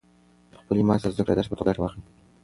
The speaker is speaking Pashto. له خپلې ماتې څخه د زده کړې د درس په توګه ګټه واخلئ.